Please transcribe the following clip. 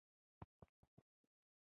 د دې ادعا د اثبات لپاره کوم سند نشته